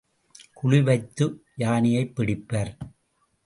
குழி வைத்து யானையைப் பிடிப்பர்.